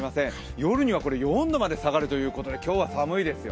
夜には４度まで下がるということで今日は寒いですよ。